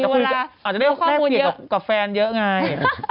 อาจจะเรียกว่าข้อมูลเกี่ยวกับแฟนเยอะไง